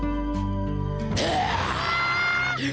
baru aku dapat pintung